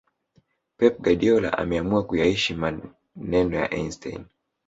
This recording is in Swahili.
Pep Guadiola ameamua kuyaishi maneno ya Eistein